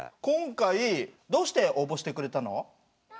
今回どうして応募してくれたの？